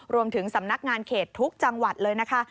รวมถึงสำนักงานเขตทุกจังหวัดเลยนะคะ